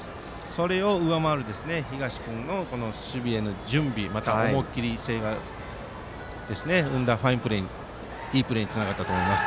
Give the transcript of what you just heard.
それを上回る東君の守備への準備また、思い切りが生んだファインプレーいいプレーにつながったと思います。